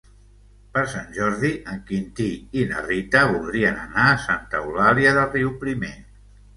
Per Sant Jordi en Quintí i na Rita voldrien anar a Santa Eulàlia de Riuprimer.